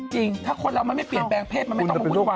จริงถ้าคนเรามันไม่เปลี่ยนแปลงเพศมันไม่ต้องมาวุ่นวา